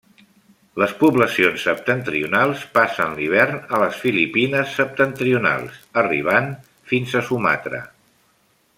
Les poblacions septentrionals passen l'hivern a les Filipines septentrionals, arribant fins a Sumatra.